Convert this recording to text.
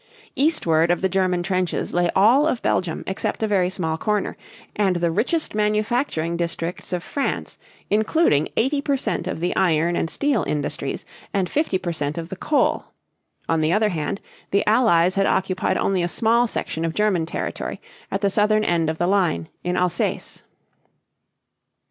Eastward of the German trenches lay all of Belgium except a very small corner, and the richest manufacturing districts of France, including eighty per cent of the iron and steel industries, and fifty per cent of the coal. On the other hand the Allies had occupied only a small section of German territory at the southern end of the line, in Alsace.